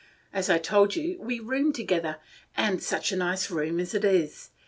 As I told you, we room together; and such a nice room as it is!